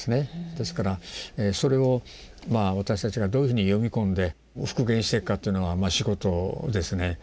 ですからそれを私たちがどういうふうに読み込んで復元してくかというのが仕事ですね。